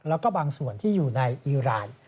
แล้วก็บางส่วนที่อยู่ในอีราน